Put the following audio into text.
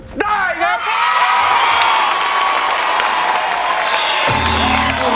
คุณยายแดงคะทำไมต้องซื้อลำโพงและเครื่องเสียง